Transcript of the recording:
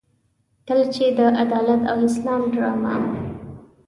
کله چې د عدالت او اسلام ډرامه.